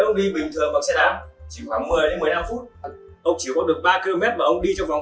ông chỉ có được ba km và ông đi trong vòng ba tiếng đồng hồ ông đã thích việc nào ông thấy bất hợp ý không